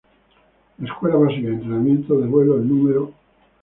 La Escuela Básica de Entrenamiento de Vuelo No.